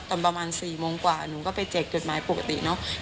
ตอนประมาณ๔โมงกว่าหนูก็ไปแจกจดหมายปกติเนอะ